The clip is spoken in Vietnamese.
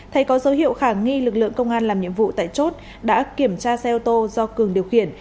thấy có dấu hiệu khả nghi lực lượng công an làm nhiệm vụ tại chốt đã kiểm tra xe ô tô do cường điều khiển